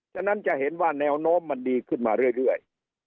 ฉะนั้นจะเห็นว่าแนวโน้มมันดีขึ้นมาเรื่อย